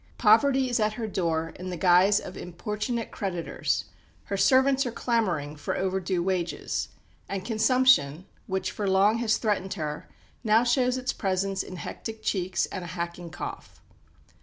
Poverty is at her door in the guise of importunate creditors, her servants are clamouring for overdue wages, and consumption, which for long has threatened her, now shows its presence in hectic cheeks and a hacking cough.